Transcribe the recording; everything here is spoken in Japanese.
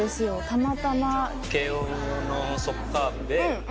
たまたま。